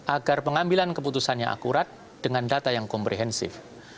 agar pengambilan keputusannya akurat dengan data yang komprehensif